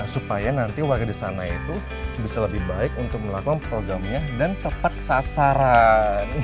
supaya nanti warga di sana itu bisa lebih baik untuk melakukan programnya dan tepat sasaran